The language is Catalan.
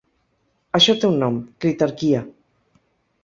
Això té un nom, ‘critarquia’.